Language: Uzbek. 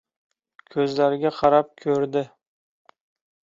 ko‘zlariga qarab ko‘rdi.